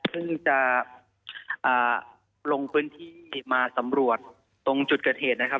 ซึ่งจะลงพื้นที่มาสำรวจตรงจุดเกิดเหตุนะครับ